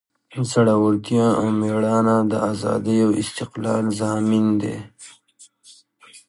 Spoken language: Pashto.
زړورتیا او میړانه د ازادۍ او استقلال ضامن دی.